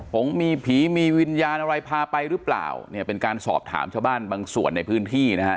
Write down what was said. ผมมีผีมีวิญญาณอะไรพาไปหรือเปล่าเนี่ยเป็นการสอบถามชาวบ้านบางส่วนในพื้นที่นะฮะ